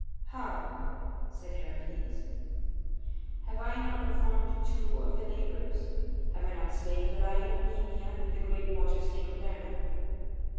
"How?" said Heracles. "Have I not performed two of the labors? Have I not slain the lion of Nemea and the great water snake of Lerna?"